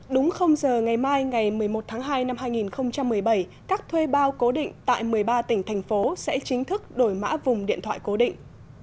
đúng giờ ngày mai ngày một mươi một tháng hai năm hai nghìn một mươi bảy các thuê bao cố định tại một mươi ba tỉnh thành phố sẽ chính thức đổi mã vùng điện thoại cố định